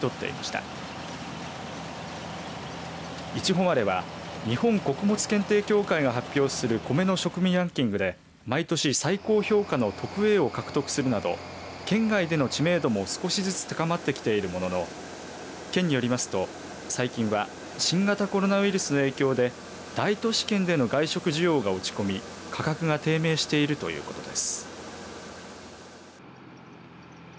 いちほまれは、日本穀物検定協会が発表するコメの食味ランキングで毎年最高評価の特Ａを獲得するなど県外での知名度も少しずつ高まってきているものの県によりますと最近は新型コロナウイルスの影響で大都市圏での会食需要が落ち込み価格が低迷しているということです。